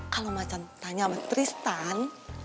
kalau macan tanya sama tristan